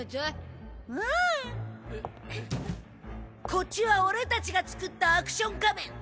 こっちはオレたちが作ったアクション仮面！